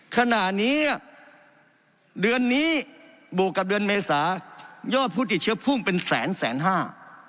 ขณะนี้เดือนนี้บวกกับเดือนเมษายอดผู้ติดเชื้อพุ่งเป็นแสนแสนห้า